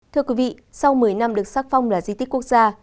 thưa quý vị sau một mươi năm được xác phong là di tích quốc gia